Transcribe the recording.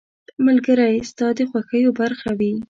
• ملګری ستا د خوښیو برخه وي.